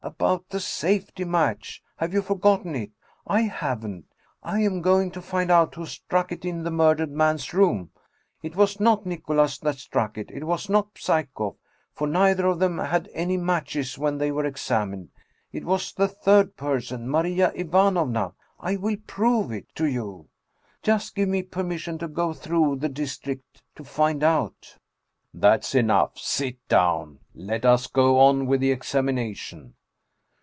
"About the safety match! Have you forgotten it? I haven't ! I am going to find out who struck it in the mur dered man's room. It was not Nicholas that struck it; it was not Psyekoff, for neither of them had any matches when they were examined ; it was the third person, Maria Ivanovna. I will prove it to you. Just give me permission to go through the district to find out." " That's enough ! Sit down. Let us go on with the ex amination."